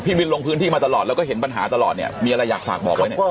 พี่วินลงพื้นที่มาตลอดแล้วก็เห็นปัญหาตลอดมีอะไรอยากฝากบอกไว้